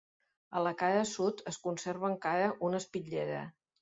A la cara sud es conserva encara una espitllera.